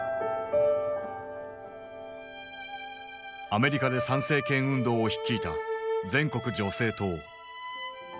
アメリカで参政権運動を率いた全国女性党。